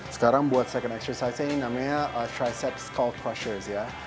sekarang buat second exercise ini namanya tricep scall crostures ya